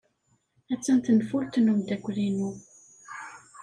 Attan tenfult n umeddakel-inu.